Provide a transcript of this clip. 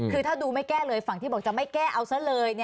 คือถ้าดูไม่แก้เลยฝั่งที่บอกจะไม่แก้เอาซะเลย